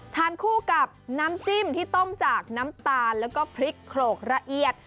ทานคู่กับน้ำจิ้มที่ต้มจากน้ำตาลแล้วก็พริกโขลกละเอียด